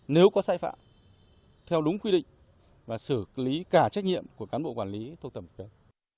nếu có sai phạm theo đúng quy định và xử lý cả trách nhiệm của cán bộ quản lý thuộc thẩm quyền